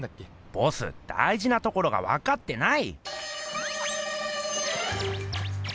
ボスだいじなところがわかってない！